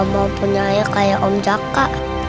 bagus gak mau punya ayah kayak om jaka